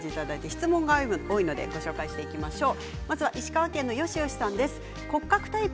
質問が多いので紹介していきましょう。